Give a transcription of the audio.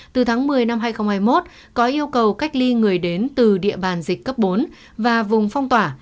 từ tháng một mươi năm hai nghìn hai mươi một có yêu cầu cách ly người đến từ địa bàn dịch cấp bốn và vùng phong tỏa